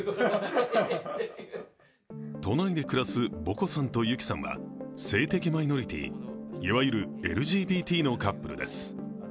都内で暮らすぼこさんとゆきさんは性的マイノリティ、いわゆるＬＧＢＴのカップルです。